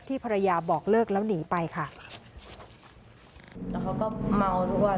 ที่ภรรยาบอกเลิกแล้วหนีไปค่ะ